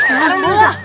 sekarang sekarang biasa